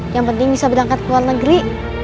yang penting bisa berangkat ke luar negeri